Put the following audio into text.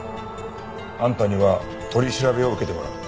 あんたには取り調べを受けてもらう。